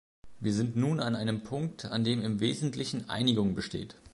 Wir sind nun an einem Punkt, an dem im wesentlichen Einigung besteht.